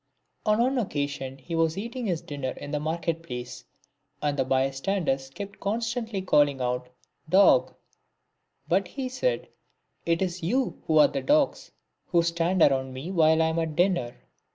On one occasion he was eating his dinner in the market place, and the bystanders kept constantly calling out " Dog ;" but he said, " It is you who are the dogs, who stand around me while I am at dinner."